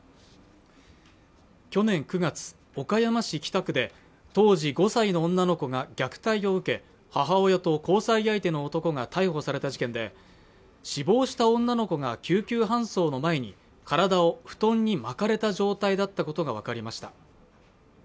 去年９月岡山市北区で当時５歳の女の子が虐待を受け母親と交際相手の男が逮捕された事件で死亡した女の子が救急搬送の前に体を布団に巻かれた状態だったことが分かりました